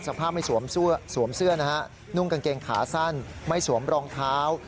สภาพไม่สวมเสื้อนะฮะนุ่งกางเกงขาสั้นไม่สวมรองเท้า